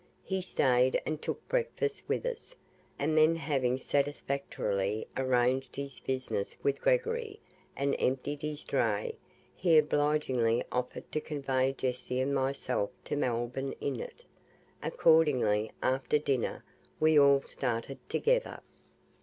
He stayed and took breakfast with us, and then having satisfactorily arranged his business with Gregory, and emptied his dray, he obligingly offered to convey Jessie and myself to Melbourne in it. Accordingly after dinner we all started together.